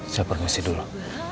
saya permisi dulu